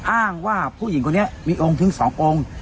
อ้างว่าผู้หญิงคนนี้มีองค์ถึง๒องค์